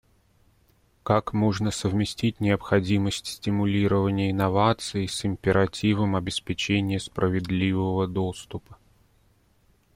Как можно совместить необходимость стимулирования инноваций с императивом обеспечения справедливого доступа?